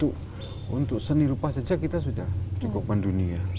untuk seni rupa saja kita sudah cukup mendunia